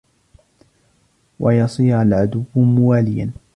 وَيَصِيرَ الْعَدُوُّ مُوَالِيًا